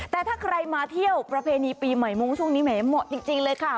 แต่ถ้าใครมาเที่ยวประเพณีปีใหม่มุ้งช่วงนี้แหมเหมาะจริงเลยค่ะ